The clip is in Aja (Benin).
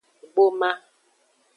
Gboma.